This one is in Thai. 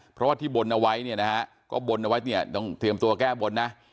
เพราะว่าที่บนเอาไว้เนี่ยนะฮะก็บนเอาไว้เนี่ยต้องเตรียมตัวแก้บนนะ